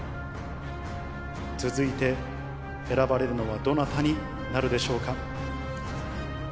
続いて選ばれるのはどなたになるでしょうか。